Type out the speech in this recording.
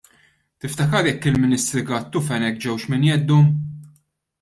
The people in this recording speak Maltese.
Tiftakar jekk il-Ministri Gatt u Fenech ġewx minn jeddhom?